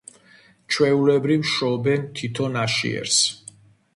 ჩვეულებრივ შობენ თითო ნაშიერს